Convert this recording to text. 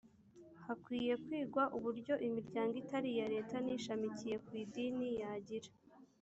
hakwiye kwigwa uburyo imiryango itari iya leta n ishamikiye ku idini yagira